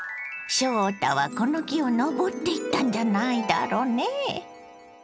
翔太はこの木を登っていったんじゃないだろねぇ。